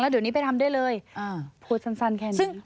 เดี๋ยวนี้ไปทำได้เลยพูดสั้นแค่นี้